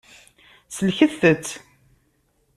Sellket-tt.